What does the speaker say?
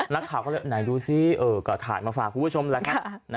นักข่าวก็เลยไหนดูสิกระถาญมาฝากผู้ผู้ชมเลยค่ะ